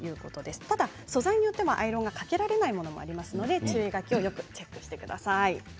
ただ素材によってアイロンがかけられないものもあるので注意書きをチェックしてください。